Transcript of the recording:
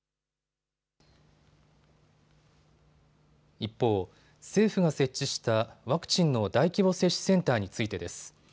一方、政府が設置したワクチンの大規模接種センターについてです。